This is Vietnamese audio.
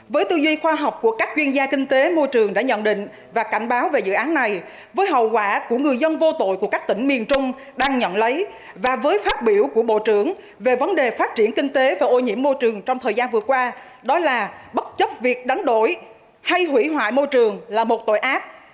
với tư duy khoa học của các chuyên gia kinh tế môi trường đã nhận định và cảnh báo về dự án này với hậu quả của người dân vô tội của các tỉnh miền trung đang nhận lấy và với phát biểu của bộ trưởng về vấn đề phát triển kinh tế và ô nhiễm môi trường trong thời gian vừa qua đó là bất chấp việc đánh đổi hay hủy hoại môi trường là một tội ác